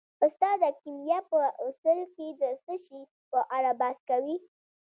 استاده کیمیا په اصل کې د څه شي په اړه بحث کوي